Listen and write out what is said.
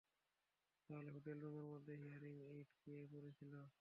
তাহলে হোটেল রুমের মধ্যে হিয়ারিং এইড কে পরে ছিল?